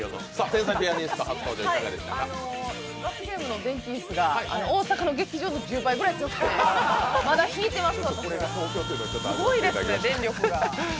罰ゲームの電気椅子が、大阪の劇場の１０倍くらい強くてまだ引いてます。